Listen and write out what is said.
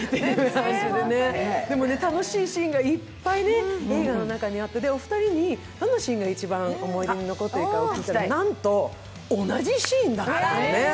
楽しいシーンがいっぱい映画の中にあって、お二人にどのシーンが一番思い出になっているかお聞きしたらなんと同じシーンだったんですね。